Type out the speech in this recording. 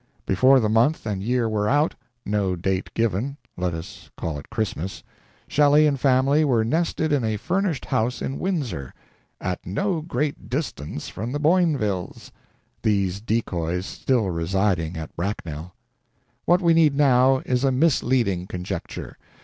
Before the month and year were out no date given, let us call it Christmas Shelley and family were nested in a furnished house in Windsor, "at no great distance from the Boinvilles" these decoys still residing at Bracknell. What we need, now, is a misleading conjecture.